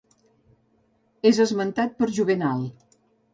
És esmentat per Juvenal.